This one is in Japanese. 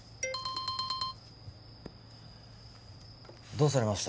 どうされました？